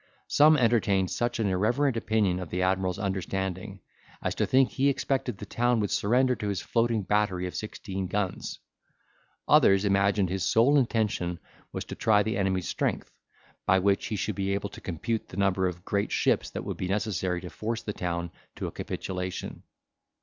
Some entertained such an irreverent opinion of the admiral's understanding, as to think he expected the town would surrender to his floating battery of sixteen guns: others imagined his sole intention was to try the enemy's strength, by which he should be able to compute the number of great ships that would be necessary to force the town to a capitulation.